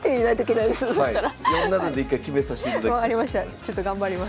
ちょっと頑張ります。